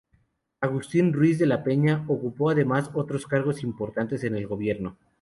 Agustín Ruiz de la Peña ocupó además otros cargos importantes en el gobierno.